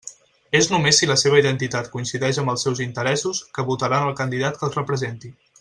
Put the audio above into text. És només si la seva identitat coincideix amb els seus interessos, que votaran el candidat que els representi.